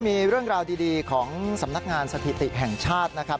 มีเรื่องราวดีของสำนักงานสถิติแห่งชาตินะครับ